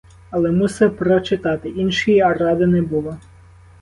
Але мусив прочитати, іншої ради не було.